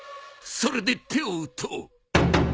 それで手を打とう。